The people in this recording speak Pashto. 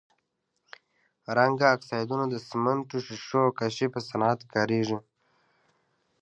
رنګه اکسایدونه د سمنټو، ښيښو او کاشي په صنعت کې کاریږي.